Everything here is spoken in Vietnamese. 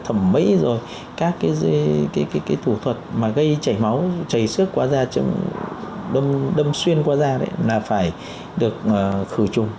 thẩm mỹ rồi các cái thủ thuật mà gây chảy máu chảy sước qua da đâm xuyên qua da là phải được khử trùng